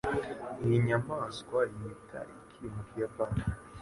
Iyi nyamaswa wita iki mu Kiyapani?